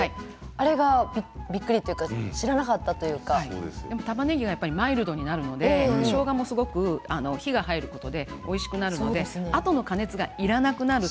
あれはびっくりというかたまねぎがマイルドになるのでしょうがは火が入ることでおいしくなるのであとの加熱がいらなくなる。